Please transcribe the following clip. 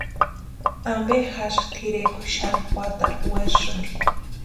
¿Ampe jásï tʼirekwa xani juatarhu werasïnki?